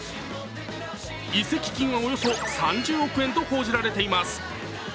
移籍金はおよそ３０億円と報じられています。